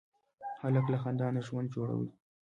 هلک له خندا نه ژوند جوړوي.